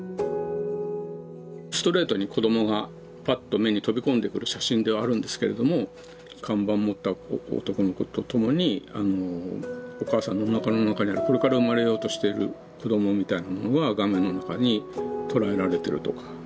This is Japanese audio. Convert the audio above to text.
ストレートに子どもがパッと目に飛び込んでくる写真ではあるんですけれども看板持った男の子と共にお母さんのおなかの中にいるこれから生まれようとしている子どもみたいなものが画面の中に捉えられてるとか。